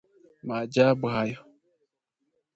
Maajabu hayo